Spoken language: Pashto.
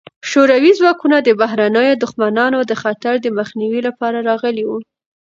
شوروي ځواکونه د بهرنیو دښمنانو د خطر د مخنیوي لپاره راغلي وو.